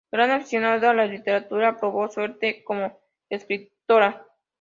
Gran aficionada a la literatura, probó suerte como escritora.